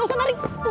gak usah tarik